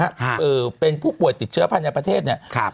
เอ่อเป็นผู้ป่วยติดเชื้อภายในประเทศเนี้ยครับ